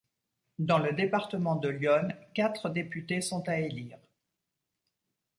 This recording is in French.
Dans le département de l'Yonne, quatre députés sont à élire.